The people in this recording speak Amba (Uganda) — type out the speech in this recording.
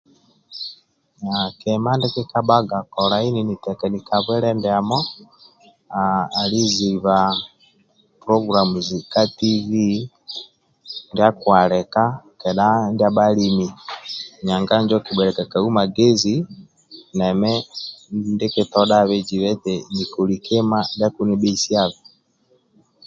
Kima ndie kikabhaga kolai nini tekani ka bwile ndiamo ali ziba pologulamu ka TV ndia akialika kendha ndia bhalimi nanga injo okubhueliag kau magezi nemi ndie nkitodhabe ziba eti nikoli kima ndia akinibhesiabe